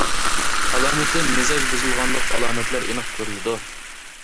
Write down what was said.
ئالامىتى : مىزاج بۇزۇلغانلىق ئالامەتلەر ئېنىق كۆرۈلىدۇ.